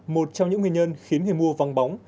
một trong những nguyên nhân khiến người mua vắng bóng